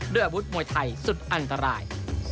ด้วยอาวุธมวยไทยสุดอันตราย